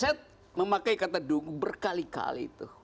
saya memakai kata dungu berkali kali tuh